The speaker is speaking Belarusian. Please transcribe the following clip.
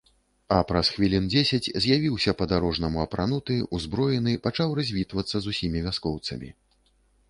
А праз хвілін дзесяць з'явіўся па-дарожнаму апрануты, узброены, пачаў развітвацца з усімі вяскоўцамі.